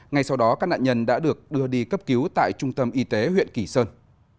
ngay sau đó các nạn nhân đã được đưa đi cấp cứu tại trung tâm y tế huyện kỳ sơn